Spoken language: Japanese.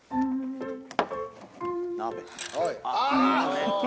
鍋？